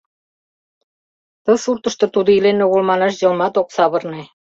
Ты суртышто тудо илен огыл манаш йылмат ок савырне.